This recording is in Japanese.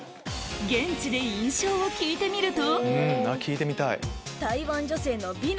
現地で印象を聞いてみると？